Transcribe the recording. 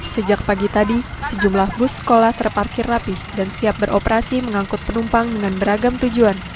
sejak pagi tadi sejumlah bus sekolah terparkir rapih dan siap beroperasi mengangkut penumpang dengan beragam tujuan